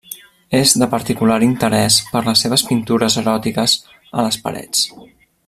És de particular interès per les seves pintures eròtiques a les parets.